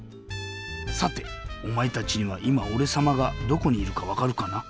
さておまえたちにはいまおれさまがどこにいるかわかるかな？